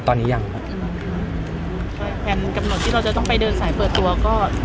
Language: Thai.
ตอนนี้ยังครับใช่แผนกำหนดที่เราจะต้องไปเดินสายเปิดตัวก็